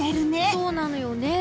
そうなんだよね。